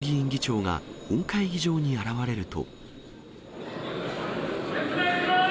細田衆議院議長が本会議場に現れると。